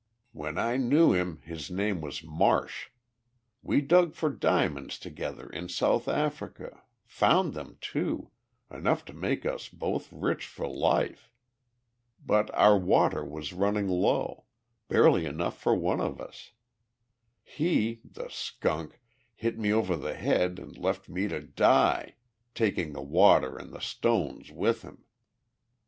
When I knew him his name was Marsh. We dug for diamonds together in South Africa found them, too enough to make us both rich for life. But our water was running low barely enough for one of us. He, the skunk, hit me over the head and left me to die taking the water and the stones with him."